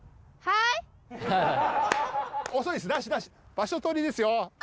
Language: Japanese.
場所取りですよ。